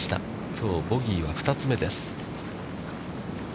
きょう、ボギーは２つ目です。